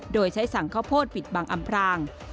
โดยใช้สั่งข้าวโพดปิดบังอำพราง